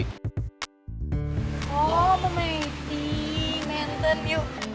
oh tante meti menten yuk